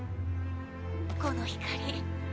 この光！